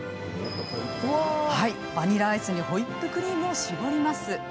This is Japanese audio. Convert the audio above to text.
バニラアイスにホイップクリームをしぼります。